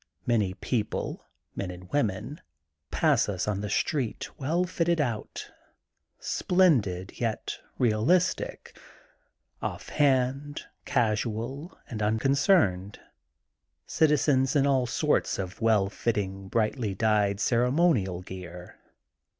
Many people, men and women, pass us on the street well fitted out, splendid, yet realistic, off hand, casual, and unconcerned, citizens in aU sorts of well fitting, brightly dyed ceremonial gear.